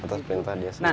atas perintah dia sendiri